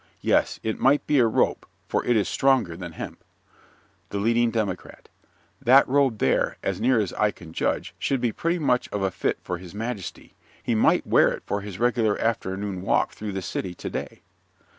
Yes, it might be a rope, for it is stronger than hemp. THE LEADING DEMOCRAT That robe there, as near as I can judge, should be pretty much of a fit for his majesty. He might wear it for his regular afternoon walk through the city to day.